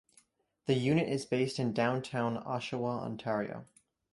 The unit is based in downtown Oshawa, Ontario.